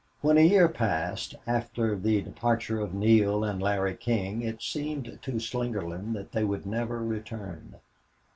When a year passed after the departure of Neale and Larry King it seemed to Slingerland that they would never return.